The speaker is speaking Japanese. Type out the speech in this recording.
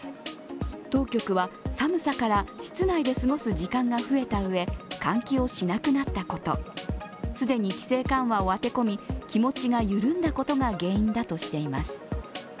当局は寒さから室内で過ごす時間が増えたうえ、換気をしなくなったこと、既に規制緩和を当て込み、気持ちが緩んだことが原因だとしています。